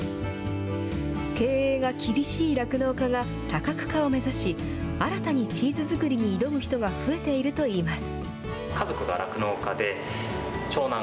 経営が厳しい酪農家が多角化を目指し、新たにチーズ作りに挑む人が増えているといいます。